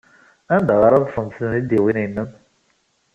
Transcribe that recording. Anda ara ḍḍsent tmidiwin-nnem?